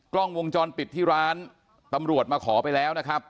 กล้องวงจรปิดที่ร้านตำรวจมาขอไปแล้วนะครับ